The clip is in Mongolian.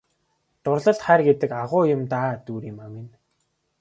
Дурлал хайр гэдэг агуу юм даа Дүүриймаа минь!